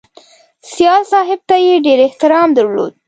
سیال صاحب ته یې ډېر احترام درلود